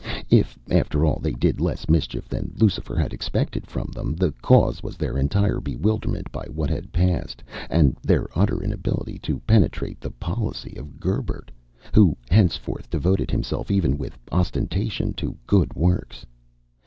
If, after all, they did less mischief than Lucifer had expected from them, the cause was their entire bewilderment by what had passed, and their utter inability to penetrate the policy of Gerbert, who henceforth devoted himself even with ostentation to good works.